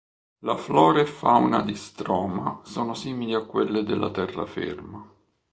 La flora e fauna di Stroma sono simili a quelle della terraferma.